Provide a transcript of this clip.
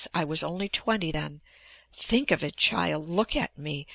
I was only twenty then. Think of it, child! Look at me.